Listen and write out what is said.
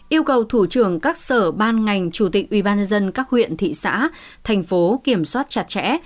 yêu cầu thủ trưởng các sở ban ngành chủ tịch ubnd các huyện thị xã thành phố kiểm soát chặt chẽ